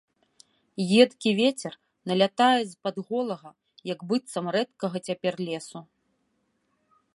Едкі вецер налятае з-пад голага, як быццам рэдкага цяпер, лесу.